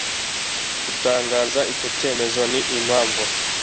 gutangaza icyo cyemezo n impamvu